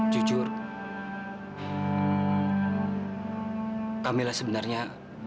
jujur kamilah sebenarnya